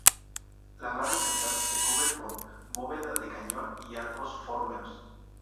La nave central se cubre con bóveda de cañón y arcos formeros.